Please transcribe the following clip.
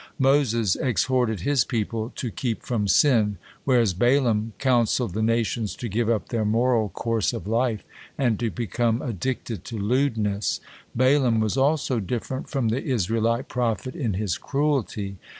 Moses exhorted his people to keep from sin, whereas Balaam counseled the nations to give up their moral course of life and to become addicted to lewdness. Balaam was also different from the Israelite prophet in his cruelty.